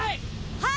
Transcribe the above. はい！